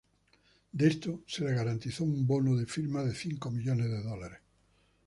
De esto, se le garantizó un bono de firma de cinco millones de dólares.